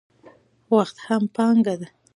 وخت هم پانګه ده.